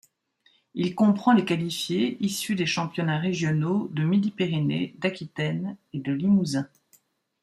Il comprend les qualifiés issus des championnats régionaux de Midi-Pyrénées, d'Aquitaine, et de Limousin.